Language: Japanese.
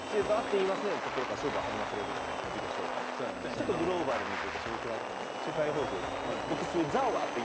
ちょっとグローバルにというか「少クラ」とかも世界放送ですから。